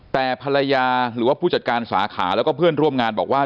แต่ภรรยาหรือว่าผู้จัดการสาขาแล้วก็เพื่อนร่วมงานบอกว่า